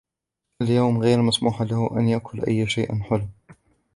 اليوم ، غير مسموح له أن يأكل أي شيئا حلوا.